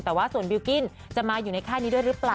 แต่ว่าส่วนบิลกิ้นจะมาอยู่ในค่ายนี้ด้วยหรือเปล่า